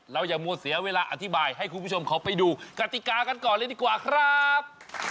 อย่ามัวเสียเวลาอธิบายให้คุณผู้ชมเขาไปดูกติกากันก่อนเลยดีกว่าครับ